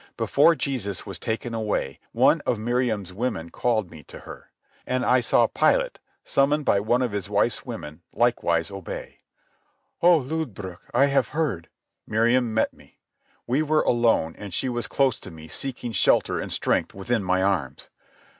Before Jesus was taken away one of Miriam's women called me to her. And I saw Pilate, summoned by one of his wife's women, likewise obey. "Oh, Lodbrog, I have heard," Miriam met me. We were alone, and she was close to me, seeking shelter and strength within my arms.